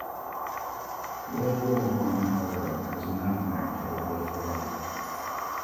World War One, however, was a nightmare for Wolf-Ferrari.